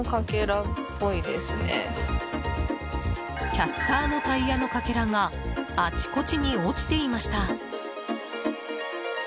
キャスターのタイヤのかけらがあちこちに落ちていました。